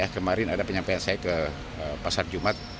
kemarin ada penyampaian saya ke pasar jumat